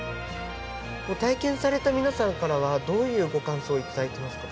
体験された皆さんからはどういうご感想を頂いてますか？